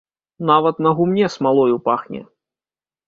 Нават на гумне смалою пахне.